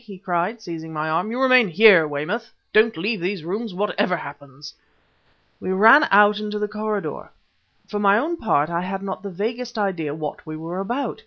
he cried, seizing my arm. "You remain here, Weymouth; don't leave these rooms whatever happens!" We ran out into the corridor. For my own part I had not the vaguest idea what we were about.